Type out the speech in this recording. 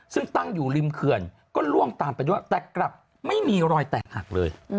ซึ่งตั้งอยู่ริมเขื่อนก็ล่วงตามไปด้วยแต่กลับไม่มีรอยแตกหักเลย